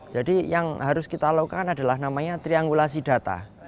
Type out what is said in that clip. jadi yang harus kita lakukan adalah namanya triangulasi data